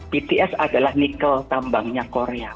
bts adalah nikel tambangnya korea